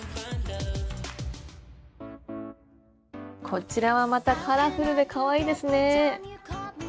こちらはまたカラフルでかわいいですね。